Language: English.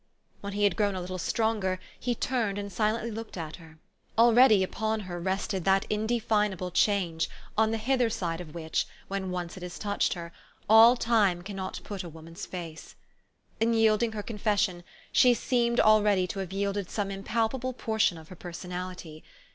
When he had grown a little stronger, he turned, and silently looked at her. Already upon her rested that indefinable change, on the hither side of which, when once it has touched her, all time cannot put a woman's face. In yielding her confession, she seemed already to have yielded some impalpable portion of her personality.